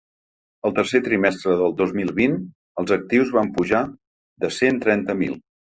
El tercer trimestre del dos mil vint, els actius van pujar de cent trenta mil.